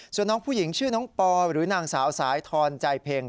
ส่วนน้องผู้หญิงชื่อน้องปอหรือนางสาวสายทอนใจเพ็ง